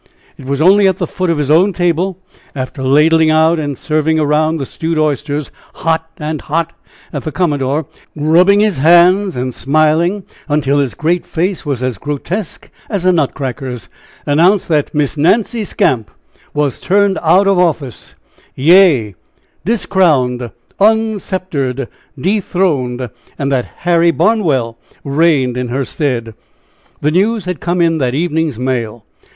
It was only at the foot of his own table, after ladling out and serving around the stewed oysters "hot and hot," that the commodore, rubbing his hands, and smiling until his great face was as grotesque as a nutcracker's, announced that Miss Nancy Skamp was turned out of office yea, discrowned, unsceptred, dethroned, and that Harry Barnwell reigned in her stead. The news had come in that evening's mail!